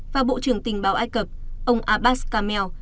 và bộ trưởng tình báo ai cập ông abbas camell